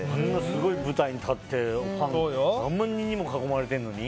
すごい舞台に立ってファン何万人にも囲まれてるのに？